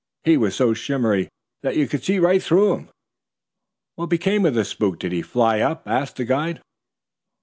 He was so shimmery that you could see right through him." "What became of the spook? Did he fly up?" asked the guide.